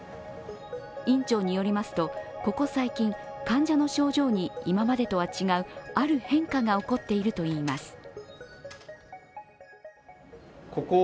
院長によりますと、ここ最近、患者の症状に今までとは違うある変化が起こっているといいます。